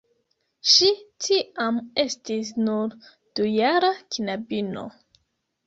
Ŝi tiam estis nur dujara knabino.